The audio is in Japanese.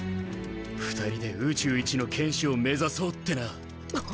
２人で宇宙一の剣士を目指そうってな。